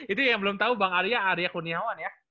itu yang belum tahu bang arya arya kurniawan ya